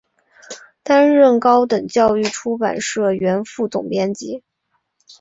担任高等教育出版社原副总编辑。